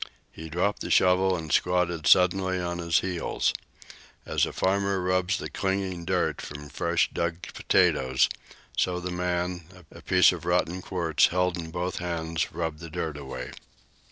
He dropped the shovel and squatted suddenly on his heels. As a farmer rubs the clinging earth from fresh dug potatoes, so the man, a piece of rotten quartz held in both hands, rubbed the dirt away.